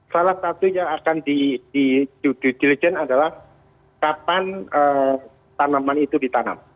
salah satu yang akan diligence adalah kapan tanaman itu ditanam